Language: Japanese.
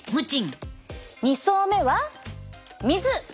２層目は水。